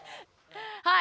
はい。